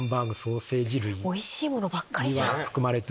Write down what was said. おいしいものばっかりじゃん。